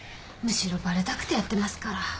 むしろバレたくてやってますから。